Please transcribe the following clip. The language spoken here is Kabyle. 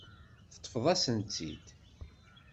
Teṭṭfeḍ-asen-tt-id.